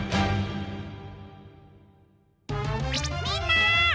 みんな！